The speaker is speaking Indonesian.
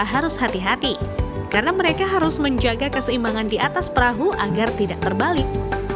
harus hati hati karena mereka harus menjaga keseimbangan di atas perahu agar tidak terbalik